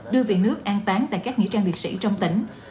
đưa về nước an tán tại các nghĩa trang liệt sĩ trong tỉnh